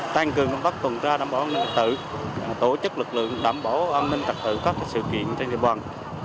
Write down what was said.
tăng cường công tác tuần tra đảm bảo an ninh tự tổ chức lực lượng đảm bảo an ninh trật tự các sự kiện trên địa bàn